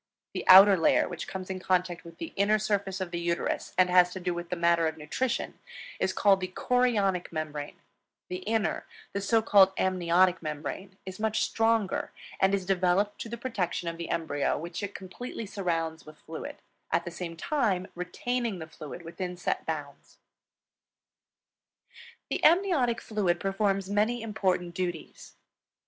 The outer layer, which comes in contact with the inner surface of the uterus and has to do with the matter of nutrition, is called the Chorionic Membrane; the inner, the so called Amniotic Membrane, is much the stronger and is devoted to the protection of the embryo, which it completely surrounds with fluid, at the same time retaining the fluid within set bounds. The amniotic fluid performs many important duties.